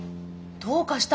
どうかした？